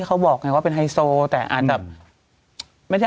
เขาบอกกันเลยว่าอาจจะเป็นไฮโซล